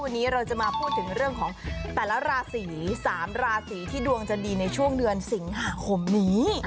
วันนี้เราจะมาพูดถึงเรื่องของแต่ละราศี๓ราศีที่ดวงจะดีในช่วงเดือนสิงหาคมนี้